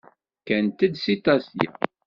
Kkant-d seg Tasya.